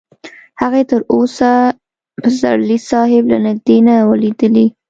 هغې تر اوسه پسرلي صاحب له نږدې نه و لیدلی